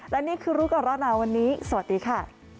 และนี่คือรู้ก่อนร้อนหนาวันนี้สวัสดีค่ะ